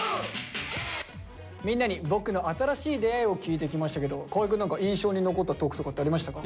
みんなに「僕の新しい出会い」を聞いてきましたけど河合くん何か印象に残ったトークとかってありましたか？